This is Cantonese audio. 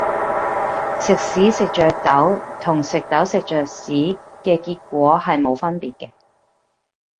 食屎食著豆同食豆食著屎嘅結果係冇分別嘅